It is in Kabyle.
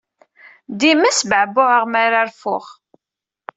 Dima sbeɛbuɛeɣ mi ara rfuɣ.